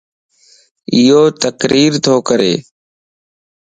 ايو تقرير تو ڪري